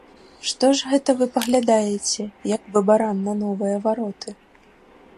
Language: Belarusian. Што ж гэта вы паглядаеце, як бы баран на новыя вароты?